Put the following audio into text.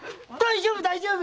大丈夫！